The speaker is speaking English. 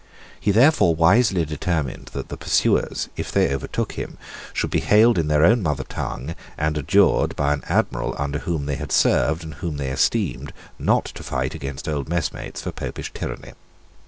He therefore wisely determined that the pursuers, if they overtook him, should be hailed in their own mother tongue, and adjured, by an admiral under whom they had served, and whom they esteemed, not to fight against old mess mates for Popish tyranny.